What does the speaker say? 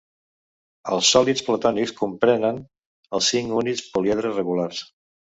Els sòlids platònics comprenen els cinc únics poliedres regulars.